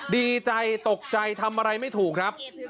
ดีใจตกใจทำอะไรไม่ถูกครับ